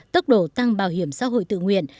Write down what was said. tốc độ tăng bảo hiểm xã hội tự nguyện